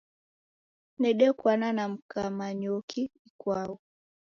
Dedekuana na mka Manyoki ikwau.